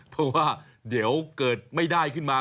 เพราะว่าเดี๋ยวเกิดไม่ได้ขึ้นมา